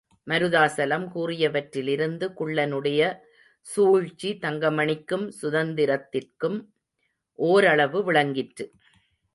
மருதாசலம் கூறியவற்றிலிருந்து குள்ளனுடைய சூழ்ச்சி தங்கமணிக்கும், சுந்தரத்திற்கும் ஓரளவு விளங்கிற்று.